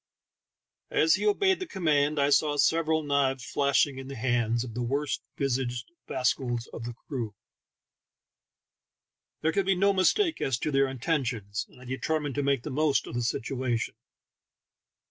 As he obeyed the command I saw several knives flashing in the hands of the worst visaged rascals of the crew. There could be no mistake as to their intentions, and I determined to make the most of the situation.